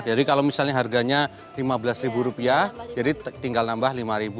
jadi kalau misalnya harganya lima belas rupiah jadi tinggal nambah lima